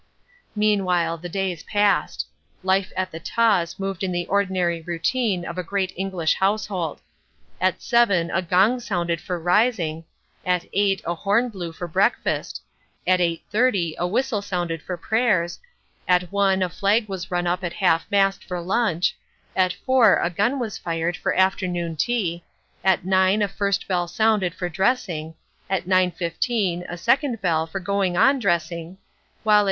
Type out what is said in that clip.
Meanwhile the days passed. Life at the Taws moved in the ordinary routine of a great English household. At 7 a gong sounded for rising, at 8 a horn blew for breakfast, at 8.30 a whistle sounded for prayers, at 1 a flag was run up at half mast for lunch, at 4 a gun was fired for afternoon tea, at 9 a first bell sounded for dressing, at 9.15 a second bell for going on dressing, while at 9.